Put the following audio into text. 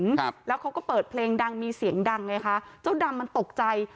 ครับแล้วเขาก็เปิดเพลงดังมีเสียงดังไงคะเจ้าดำมันตกใจ